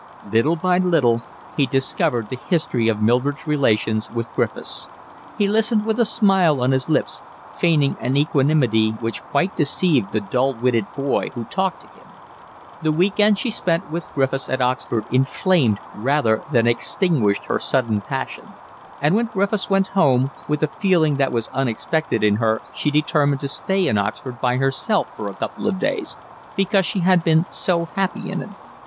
Little by little he discovered the history of Mildred's relations with Griffiths. He listened with a smile on his lips, feigning an equanimity which quite deceived the dull witted boy who talked to him. The week end she spent with Griffiths at Oxford inflamed rather than extinguished her sudden passion; and when Griffiths went home, with a feeling that was unexpected in her she determined to stay in Oxford by herself for a couple of days, because she had been so happy in it.